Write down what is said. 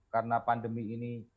karena pandemi ini